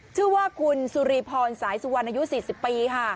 ชื่อว่าคุณสุรีพรสายสุวรรณอยู่สี่สิบปีค่ะ